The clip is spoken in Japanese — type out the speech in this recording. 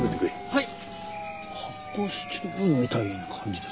はい！